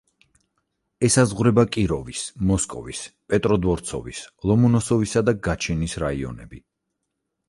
ესაზღვრება კიროვის, მოსკოვის, პეტროდვორცოვის, ლომონოსოვისა და გატჩინის რაიონები.